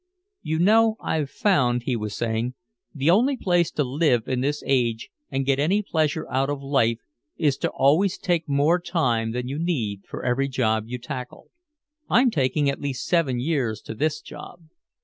"You know I've found," he was saying, "the only way to live in this age and get any pleasure out of life is to always take more time than you need for every job you tackle. I'm taking at least seven years to this job.